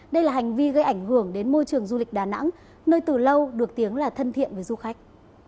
đây là hành vi gây ảnh hưởng đến môi trường du lịch đà nẵng nơi từ lâu được tiếng là thân thiện với du khách